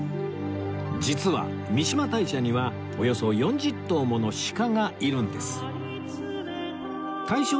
実は三嶋大社にはおよそ４０頭もの鹿がいるんです